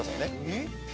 えっ？